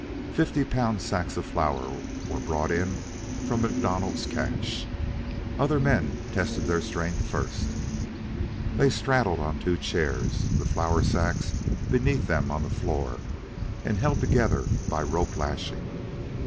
Fifty pound sacks of flour were brought in from MacDonald's cache. Other men tested their strength first. They straddled on two chairs, the flour sacks beneath them on the floor and held together by rope lashings.